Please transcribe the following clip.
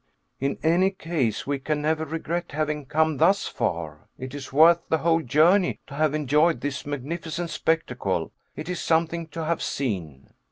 "In any case, we can never regret having come thus far. It is worth the whole journey to have enjoyed this magnificent spectacle it is something to have seen."